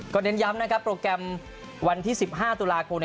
เน้นย้ำนะครับโปรแกรมวันที่๑๕ตุลาคม